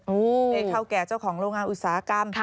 ได้เข้าแก่เจ้าของโรงงานอุตสาหกรรม